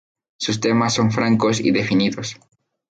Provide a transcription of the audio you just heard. Sus temas son francos y definidos.